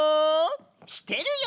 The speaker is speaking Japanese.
してるよ。